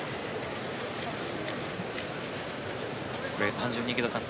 単純に池田さん